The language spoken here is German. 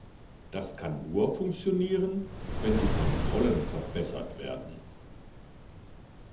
Das kann nur funktionieren, wenn die Kontrollen verbessert werden.